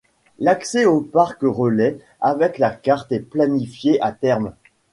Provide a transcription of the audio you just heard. L'accès aux parc relais avec la carte est planifié, à terme.